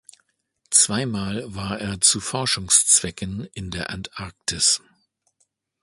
Zweimal war er zu Forschungszwecken in der Antarktis.